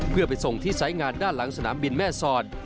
เพื่อไปส่งที่สายงานด้านหลังสนามบินแม่สอด